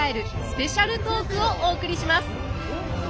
スペシャルトークをお送りします！